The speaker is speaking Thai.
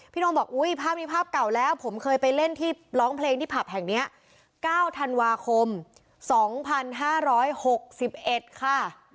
น้องบอกอุ้ยภาพนี้ภาพเก่าแล้วผมเคยไปเล่นที่ร้องเพลงที่ผับแห่งนี้๙ธันวาคม๒๕๖๑ค่ะ